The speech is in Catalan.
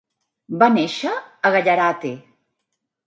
Va néixer a Gallarate.